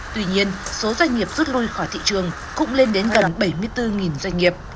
tuy nhiên số doanh nghiệp rút lui khỏi thị trường cũng lên đến gần bảy mươi bốn doanh nghiệp